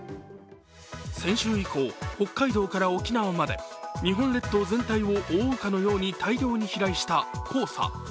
先週以降、北海道から沖縄まで日本列島全体を覆うかのように大量に飛来した黄砂。